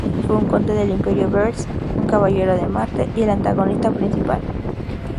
Fue un Conde del Imperio Vers, un Caballero de Marte y el antagonista principal.